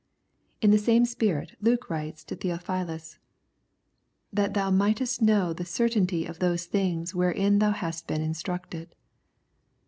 In the same spirit Luke writes to Theo philus :" That thou mightest know the certainty of those things wherein thou hast been instructed."